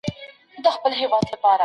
هر څوک يې د خپلې پوهې له مخې تفسيروي.